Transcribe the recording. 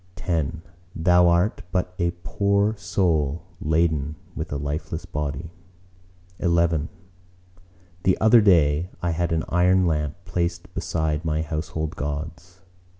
X Thou art but a poor soul laden with a lifeless body. XI The other day I had an iron lamp placed beside my household gods.